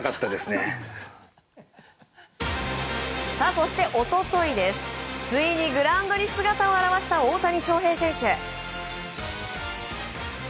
そして一昨日ついにグラウンドに姿を現した大谷翔平選手。